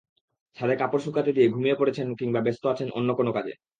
ছাদে কাপড় শুকাতে দিয়ে ঘুমিয়ে পড়েছেন কিংবা ব্যস্ত আছেন অন্য কোনো কাজে।